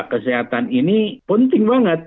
kesehatan ini penting banget